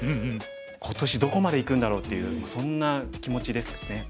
今年どこまでいくんだろうっていうそんな気持ちですかね。